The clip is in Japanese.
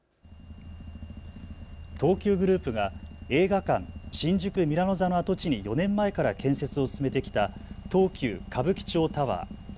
東急グループが映画館、新宿ミラノ座の跡地に４年前から建設を進めてきた東急歌舞伎町タワー。